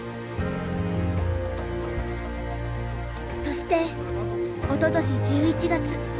そしておととし１１月。